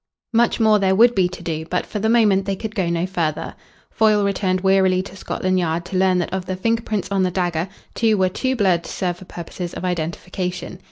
Much more there would be to do, but for the moment they could go no further. Foyle returned wearily to Scotland Yard to learn that of the finger prints on the dagger two were too blurred to serve for purposes of identification.